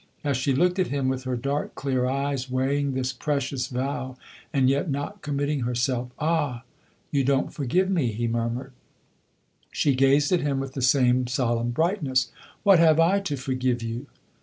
As she looked at him with her dark, clear eyes, weighing this precious vow and yet not committing herself "Ah, you don't forgive me!" he murmured. She gazed at him with the same solemn brightness. "What have I to forgive you?"